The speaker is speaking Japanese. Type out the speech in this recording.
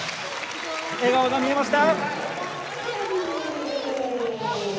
笑顔が見えました。